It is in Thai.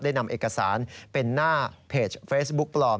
ได้นำเอกสารเป็นหน้าเพจเฟซบุ๊กปลอม